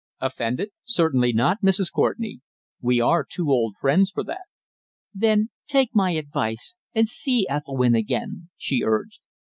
"Offended? Certainly not, Mrs. Courtenay. We are too old friends for that." "Then take my advice and see Ethelwynn again," she urged.